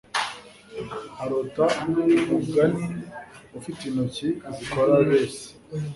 arota umugani ufite intoki zikora lace